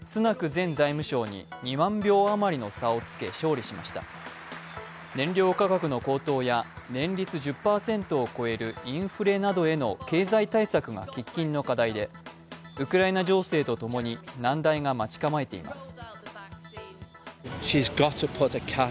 前財務相に２万票余りの差をつけ勝利しました燃料価格の高騰や年率１０％を超えるインフレなどへの経済対策が喫緊の課題でウクライナ情勢とともに難題が待ち構えています。